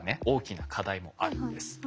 大きな課題もあるんです。